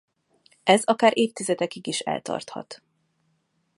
Ez akár évtizedekig is eltarthat.